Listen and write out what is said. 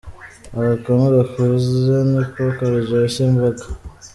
Agakono gakuze niko karyoshya imboga.